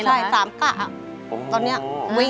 สวัสดีครับคุณหน่อย